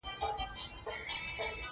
تکه سره وه.